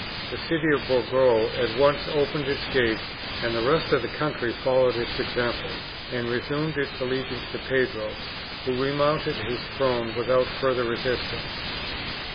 The city of Burgos at once opened its gates, and the rest of the country followed its example, and resumed its allegiance to Pedro, who remounted his throne without further resistance.